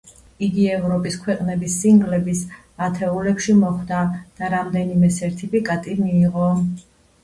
იგი ევროპის ქვეყნების სინგლების ათეულებში მოხვდა და რამდენიმე სერტიფიკატი მიიღო.